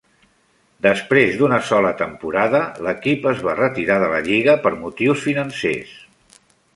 Després d'una soia temporada, l'equip es va retirar de la lliga per motius financers.